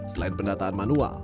selain pendataan manual